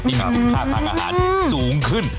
มีคุณค่าทางอาหารสูงขึ้น